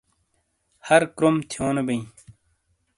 ہر کرم تھیونو بئیں